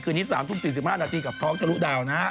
คืนนี้๓๔๕นาทีกับท้องจะรู้ดาวนะ